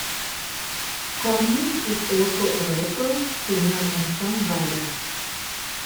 Cornish is also a rapper, singer and songwriter.